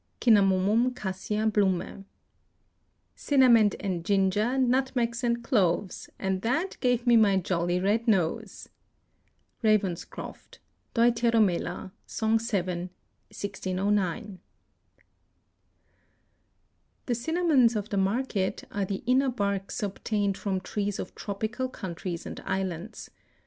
(Cinnamomum cassia blume.) "Sinament and ginger, nutmegs and cloves, And that gave me my jolly red nose." —Ravenscroft, Deuteromela, Song 7 (1609). The cinnamons of the market are the inner barks obtained from trees of tropical countries and islands.